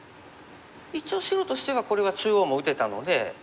一応白としてはこれは中央も打てたので。